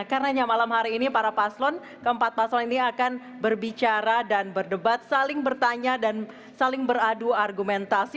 karena nyamalam hari ini para paslon keempat paslon ini akan berbicara dan berdebat saling bertanya dan saling beradu argumentasi